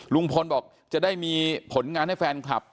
ลุงพลบอกจะได้มีผลงานให้แฟนคลับ